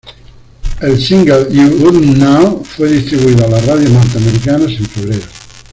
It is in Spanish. El single "You Wouldn't Known" fue distribuido a las radios norteamericanas en febrero.